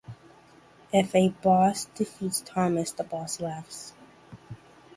If a boss defeats Thomas, the boss laughs.